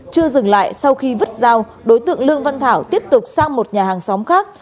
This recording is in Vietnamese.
chưa dừng lại sau khi vứt dao đối tượng lương văn thảo tiếp tục sang một nhà hàng xóm khác